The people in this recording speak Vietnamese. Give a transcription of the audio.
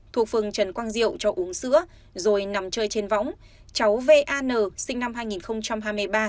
thuộc phường trần quang diệu cho uống sữa rồi nằm chơi trên võng cháu v a n sinh năm hai nghìn hai mươi ba